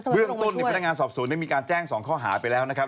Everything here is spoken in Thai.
เรื่องต้นพนักงานสอบสวนได้มีการแจ้ง๒ข้อหาไปแล้วนะครับ